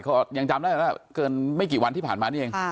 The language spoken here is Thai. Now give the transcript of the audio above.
ก็ยังจำได้แล้วมั้ยไงกว่าเกินไม่กี่วันที่ผ่านมานี่เอง